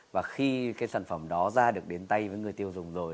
và khi cái sản phẩm đó ra được đến tay với người tiêu dùng rồi